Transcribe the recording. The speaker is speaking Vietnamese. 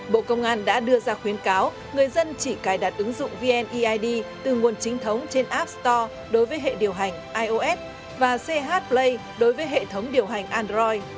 bộ công an đã đưa ra khuyến cáo người dân chỉ cài đặt ứng dụng vneid từ nguồn chính thống trên app store đối với hệ điều hành ios và ch play đối với hệ thống điều hành android